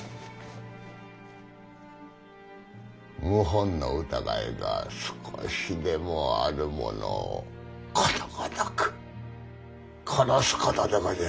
謀反の疑いが少しでもある者をことごとく殺すことでごじゃる。